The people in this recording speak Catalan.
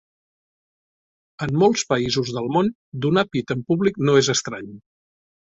En molts països del món, donar pit en públic no és estrany.